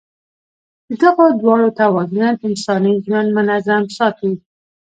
د دغو دواړو توازن انساني ژوند منظم ساتي.